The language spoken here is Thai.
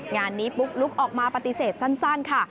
งานนี้ปุ๊กลุ๊กออกมาปฏิเสธสั้นค่ะ